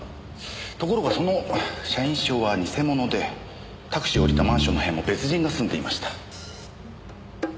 ところがその社員証は偽物でタクシーを降りたマンションの部屋も別人が住んでいました。